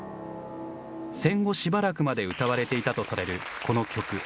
戦後、しばらくまで歌われていたとされるこの曲。